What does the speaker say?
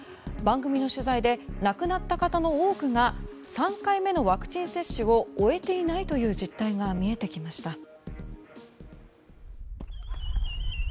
番組の取材で亡くなった方の多くが３回目のワクチン接種を終えていないという実態が見えてきました。